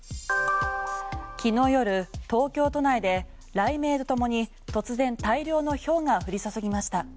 昨日夜東京都内で雷鳴とともに突然、大量のひょうが降り注ぎました。